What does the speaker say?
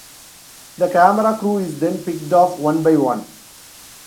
The camera crew is then picked off one by one.